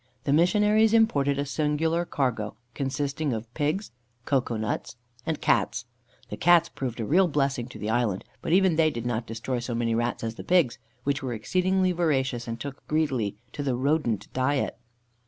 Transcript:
The missionaries imported a singular cargo, consisting of pigs, cocoa nuts, and Cats. The Cats proved a real blessing to the island, but even they did not destroy so many rats as the pigs, which were exceedingly voracious, and took greedily to the rodent diet.